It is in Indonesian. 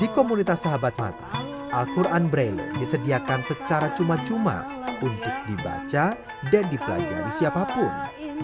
di komunitas sahabat mata al quran braille disediakan secara cuma cuma untuk dibaca dan dipelajari siapapun